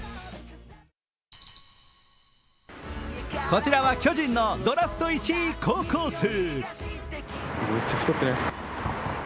こちらは巨人のドラフト１位高校生。